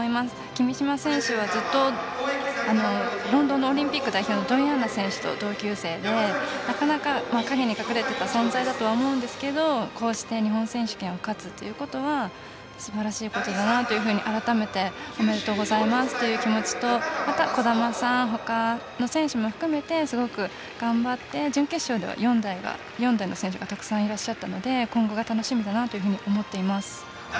君嶋選手はずっとロンドンオリンピック代表の選手と同級生でなかなか陰に隠れていた選手だと思うんですけどこうして日本選手権を勝つということはすばらしいことだなと改めておめでとうございますという気持ちと兒玉さん、ほかの選手と含めてすごく頑張って準決勝では４台の選手がたくさんいらっしゃったので今後が楽しみだなと思います。